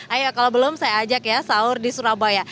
ayo kalau belum saya ajak ya sahur di surabaya